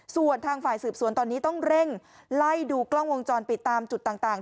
ส่วนทางฝ่ายสืบสวนตอนนี้ต้องเร่งไล่ดูกล้องวงจรปิดตามจุดต่าง